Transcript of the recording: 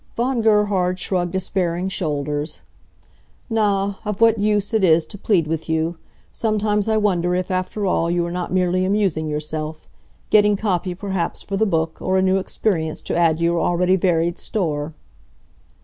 Von Gerhard shrugged despairing shoulders. "Na, of what use is it to plead with you. Sometimes I wonder if, after all, you are not merely amusing yourself. Getting copy, perhaps, for the book, or a new experience to add to your already varied store."